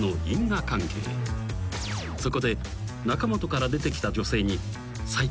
［そこで中本から出てきた女性に］